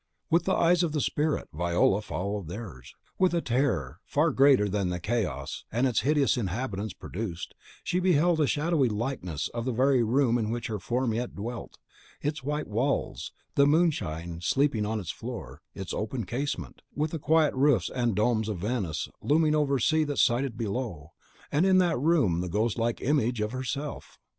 With the eyes of the spirit, Viola followed theirs; with a terror far greater than the chaos and its hideous inhabitants produced, she beheld a shadowy likeness of the very room in which her form yet dwelt, its white walls, the moonshine sleeping on its floor, its open casement, with the quiet roofs and domes of Venice looming over the sea that sighed below, and in that room the ghost like image of herself!